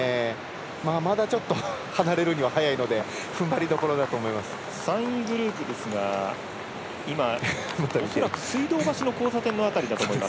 まだ、ちょっと離れるには早いので３位グループですが恐らく、水道橋の交差点の辺りだと思います。